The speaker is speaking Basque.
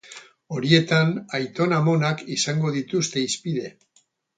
Horietan, aiton-amonak izango dituzte hizpide.